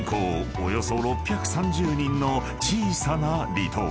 およそ６３０人の小さな離島］